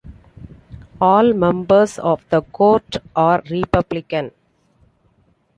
All members of the court are Republican.